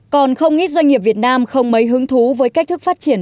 còn không ít doanh nghiệp việt nam không mấy hứng thú với cách thức phát triển